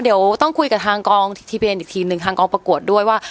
เดี๋ยวต้องคุยกับทางกองทะเบียนอีกทีหนึ่งทางกองประกวดด้วยว่า